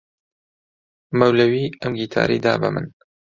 مەولەوی ئەم گیتارەی دا بە من.